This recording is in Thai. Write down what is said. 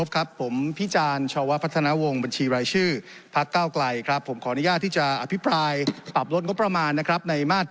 ขอเชิญครับ